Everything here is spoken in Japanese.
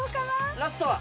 ラストは。